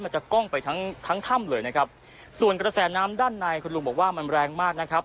จะกล้องไปทั้งทั้งถ้ำเลยนะครับส่วนกระแสน้ำด้านในคุณลุงบอกว่ามันแรงมากนะครับ